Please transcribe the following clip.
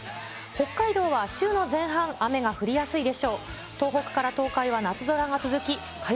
北海道は週の前半、雨が降りやすいい汗。